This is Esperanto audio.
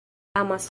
amas